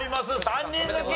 ３人抜き！